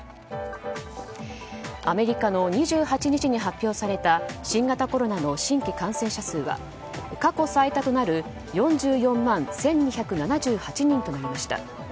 アメリカの２８日に発表された新型コロナの新規感染者数は過去最多となる４４万１２７８人となりました。